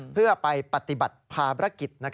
เพื่อไปปฏิบัติภารกิจ